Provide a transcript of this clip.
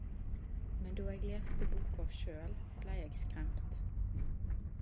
Men då eg leste boka sjølv blei eg skremt.